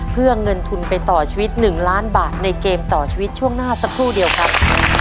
เพื่อเงินทุนไปต่อชีวิต๑ล้านบาทในเกมต่อชีวิตช่วงหน้าสักครู่เดียวครับ